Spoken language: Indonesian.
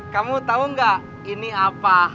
kamu tau gak ini apa